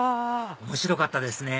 面白かったですね